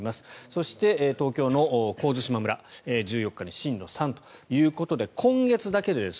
そして、東京の神津島村１４日に震度３ということで今月だけでです